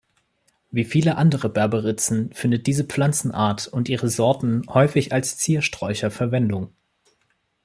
Wie viele andere Berberitzen findet diese Pflanzenart und ihre Sorten häufig als Ziersträucher Verwendung.